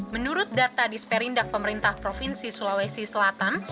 menurut data di sperindak pemerintah provinsi sulawesi selatan